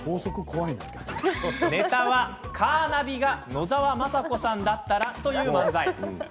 ネタは「カーナビが野沢雅子さんだったら」という漫才。